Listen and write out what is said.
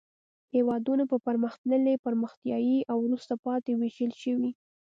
هېوادونه په پرمختللي، پرمختیایي او وروسته پاتې ویشل شوي.